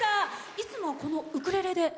いつも、このウクレレで？